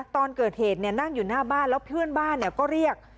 ตอนเกิดเหตุนั่งอยู่หน้าบ้านแล้วเพื่อนบ้านก็เรียก